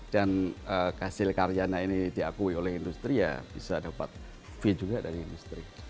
dan hasil karyanya ini diakui oleh industri ya bisa dapat fee juga dari industri